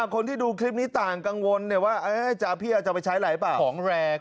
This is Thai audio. คนที่ดูคลิปนี้ต่างกังวลว่าเอ๊ะพี่จะไปใช้อะไรหรือเปล่า